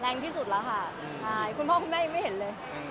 ที่สุดแล้วค่ะใช่คุณพ่อคุณแม่ยังไม่เห็นเลย